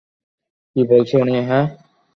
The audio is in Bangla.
কী বলছে উনি, হ্যাঁ?